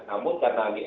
namun karena ini adalah